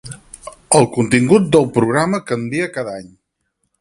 El contingut del programa canvia cada any.